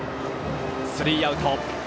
スリーアウト。